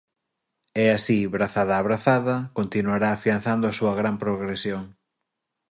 E así, brazada a brazada, continuará afianzando a súa gran progresión.